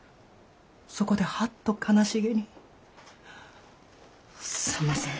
そこではっと悲しげに「すんません。